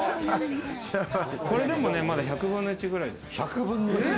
これでもまだ１００分の１くらい。